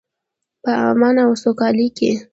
په امن او سوکالۍ کې.